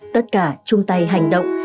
tất cả chung tay hành động